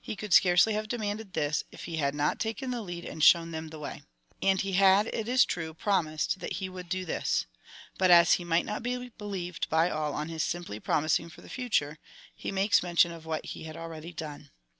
He could scarcely have demanded this, if he had not taken the lead and shown them the way. And he had, it is true, promised that he would do this, but, as he might not be believed by all on his simply promising for the future, he makes mention of what he had already done.